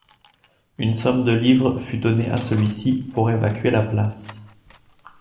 Une somme de livres fut donné à celui-ci pour évacuer la place.